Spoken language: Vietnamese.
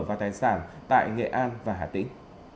và tài sản tại nghệ an và hà tĩnh